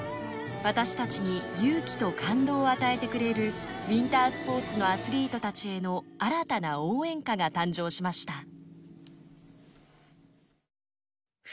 私たちに勇気と感動を与えてくれるウィンタースポーツのアスリートたちへの新たな応援歌が誕生しました。